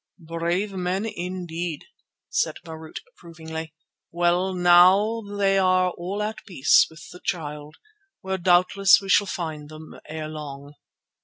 "Brave men indeed!" said Marût approvingly. "Well, now they are all at peace with the Child, where doubtless we shall find them ere long."